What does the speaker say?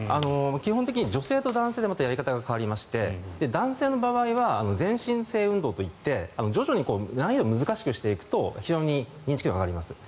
基本的に女性と男性でやり方が変わりまして男性の場合は全身性運動と言って徐々に難易度を難しくしていくと非常に認知機能が上がります。